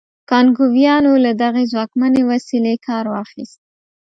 کانګویانو له دغې ځواکمنې وسیلې کار واخیست.